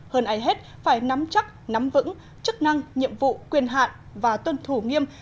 hơn ai hết phải nắm chắc nắm vững chức năng nhiệm vụ quyền hạn và tuân thủ nghiêm